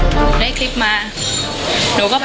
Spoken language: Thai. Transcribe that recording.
สวัสดีครับทุกคน